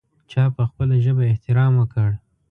چا په خپله ژبه احترام وکړ.